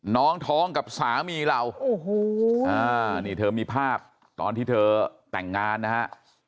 น้องท้องกับสามีเราโอ้โหนี่เธอมีภาพตอนที่เธอแต่งงานนะฮะ